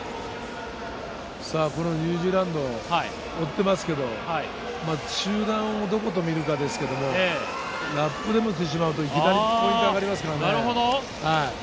さあ、このニュージーランド、追ってますけど、集団をどこと見るかですけども、ラップでもってしまう、いきなりポイント上がりますからね。